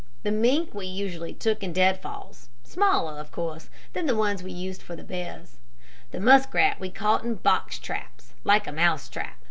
The mink we usually took in deadfalls, smaller, of course, than the ones we used for the bears. The musk rat we caught in box traps like a mouse trap.